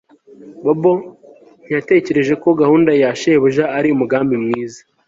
Bobo ntiyatekereje ko gahunda ya shebuja ari umugambi mwiza